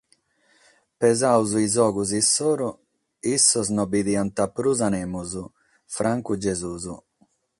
Pesados is ogros issoro, issos non bidiant prus a nemos, francu Gesùs.